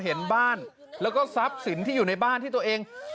เห็นบ้านแล้วก็ทรัพย์สินที่อยู่ในบ้านที่ตัวเอง